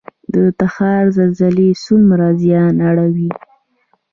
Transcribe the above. د تخار زلزلې څومره زیان اړوي؟